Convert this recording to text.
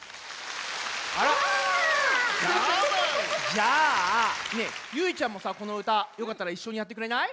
じゃあねえゆいちゃんもさこのうたよかったらいっしょにやってくれない？